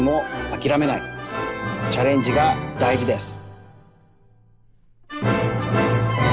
チャレンジがだいじです。